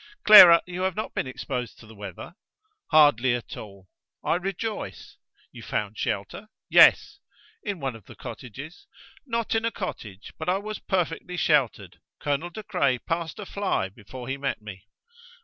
"Clara, you have not been exposed to the weather?" "Hardly at all." "I rejoice. You found shelter?" "Yes." "In one of the cottages?" "Not in a cottage; but I was perfectly sheltered. Colonel De Craye passed a fly before he met me